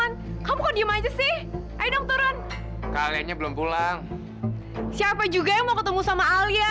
sampai jumpa di video selanjutnya